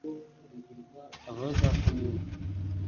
havaho za komini